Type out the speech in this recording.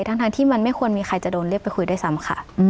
ทั้งที่มันไม่ควรมีใครจะโดนเรียกไปคุยด้วยซ้ำค่ะ